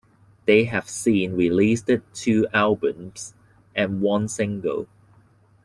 They have since released two albums and one single.